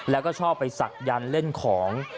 แล้วก็ชอบไปศักดันเล่นของ